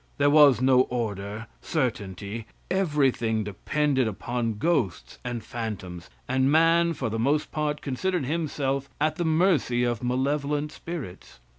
There was no order, certainty; everything depended upon ghosts and phantoms, and man, for the most part, considered himself at the mercy of malevolent spirits.